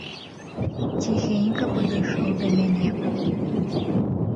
Ціхенька падышоў да мяне.